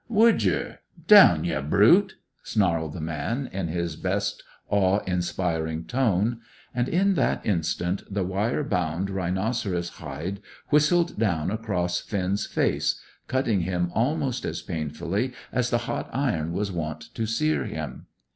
"Would yer? Down, ye brute!" snarled the man, in his best awe inspiring tone. And in that instant the wire bound rhinoceros hide whistled down across Finn's face, cutting him almost as painfully as the hot iron was wont to sear him.